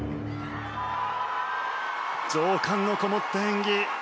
情感のこもった演技。